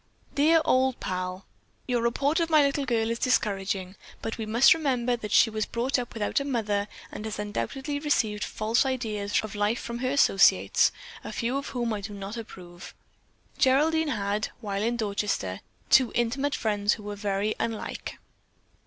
"Dear old Pal:—Your report of my little girl is discouraging, but we must remember that she was brought up without a mother and has undoubtedly received false ideas of life from her associates, a few of whom I do not approve. Geraldine had, while in Dorchester, two intimate friends who were very unlike.